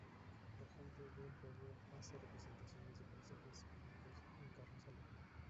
La gente del pueblo hace representaciones de pasajes bíblicos en carros alegóricos.